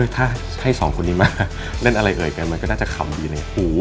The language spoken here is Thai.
ถ้าให้สองคนนี้มาเล่นอะไรเอ่ยกันมันก็น่าจะขำอยู่ในหู